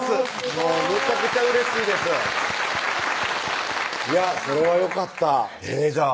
もうめちゃくちゃうれしいですいやそれはよかったじゃあ